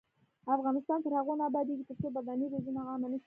افغانستان تر هغو نه ابادیږي، ترڅو بدني روزنه عامه نشي.